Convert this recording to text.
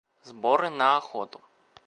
Сборы на охоту.